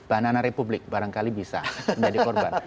banana republik barangkali bisa menjadi korban